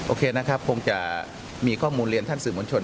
โอเคนะครับคงจะมีข้อมูลเรียนท่านสื่อมวลชน